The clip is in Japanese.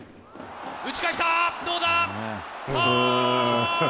打ち返した、どうだ？